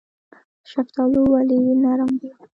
شفتالو ولې نرم وي؟